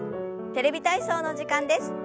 「テレビ体操」の時間です。